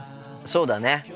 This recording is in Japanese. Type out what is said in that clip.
そうだね。